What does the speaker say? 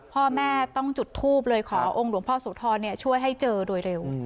พ่อแม่ต้องจุดทูบเลยขอองค์หลวงพ่อโสธรช่วยให้เจอโดยเร็ว